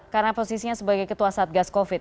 karena posisinya sebagai ketua satgas covid